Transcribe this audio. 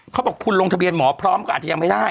เขาบอกคุณลงทะเบียนหมอพร้อมก็อาจจะยังไม่ได้